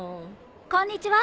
・こんにちは。